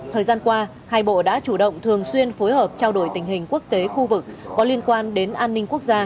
thời gian qua hai bộ đã chủ động thường xuyên phối hợp trao đổi tình hình quốc tế khu vực có liên quan đến an ninh quốc gia